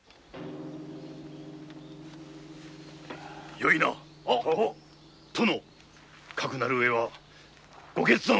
よいな殿かくなる上はご決断を。